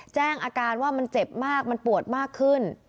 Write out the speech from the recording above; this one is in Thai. แจ้งอาการว่ามันเจ็บมากมันปวดมากขึ้น